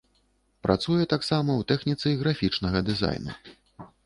Працуе таксама ў тэхніцы графічнага дызайну.